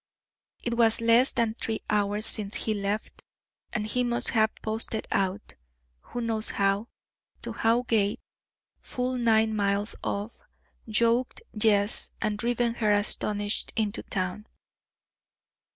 It was less than three hours since he left, and he must have posted out who knows how to Howgate, full nine miles off; yoked Jess, and driven her astonished into town.